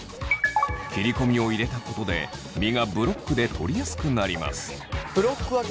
切り込みを入れたことで身がブロックで取りやすくなります。